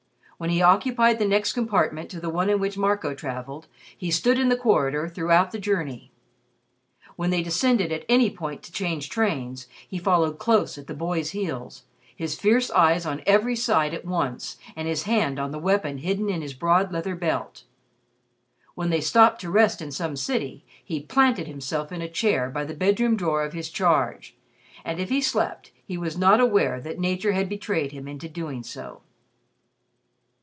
When he occupied the next compartment to the one in which Marco traveled, he stood in the corridor throughout the journey. When they descended at any point to change trains, he followed close at the boy's heels, his fierce eyes on every side at once and his hand on the weapon hidden in his broad leather belt. When they stopped to rest in some city, he planted himself in a chair by the bedroom door of his charge, and if he slept he was not aware that nature had betrayed him into doing so.